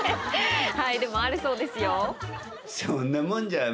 でもあるそうですよ。